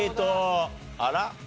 あら？